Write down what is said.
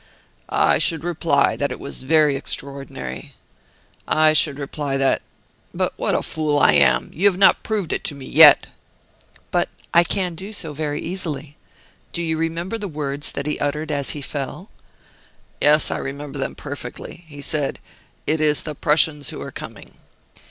"I should reply that it was very extraordinary. I should reply that but what a fool I am! You have not proved it to me yet." "But I can do so very easily. Do you remember the words that he uttered as he fell?" "Yes, I remember them perfectly. He said: 'It is the Prussians who are coming.